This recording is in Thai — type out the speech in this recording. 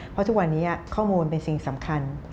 เพราะทุกวันนี้ข้อมูลเป็นสิ่งสำคัญ